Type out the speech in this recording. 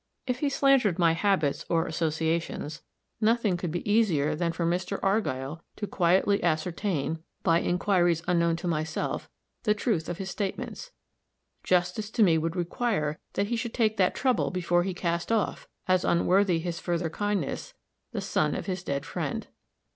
If he slandered my habits or associations, nothing could be easier than for Mr. Argyll to quietly ascertain, by inquiries unknown to myself, the truth of his statements; justice to me would require that he should take that trouble before he cast off, as unworthy his further kindness, the son of his dead friend.